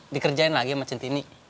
dikerjain lagi sama centini